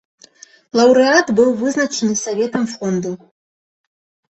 Лаўрэат быў вызначаны саветам фонду.